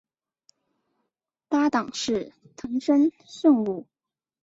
搭挡是藤森慎吾。